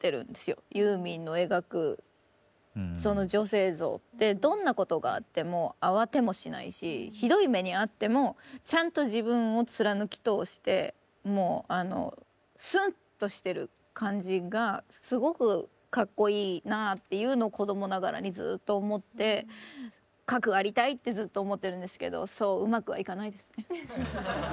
ユーミンの描くその女性像ってどんなことがあっても慌てもしないしひどい目に遭ってもちゃんと自分を貫き通してもうあのスンッとしてる感じがすごくかっこいいなあっていうのを子供ながらにずっと思ってかくありたいってずっと思ってるんですけどそううまくはいかないですね。